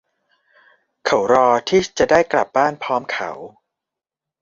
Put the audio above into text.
เขารอที่จะได้กลับบ้านพร้อมเขา